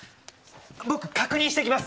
僕確認してきます